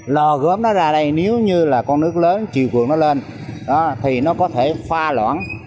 lò gốm nó ra đây nếu như là con nước lớn chiều cường nó lên thì nó có thể pha loãng